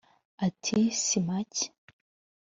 Ati “Si make